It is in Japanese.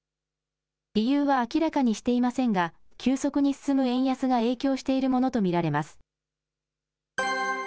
理由は明らかにしていませんが、急速に進む円安が影響しているものと見られます。